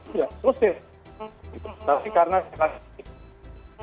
terus dia diperintahkan karena terasa tinggal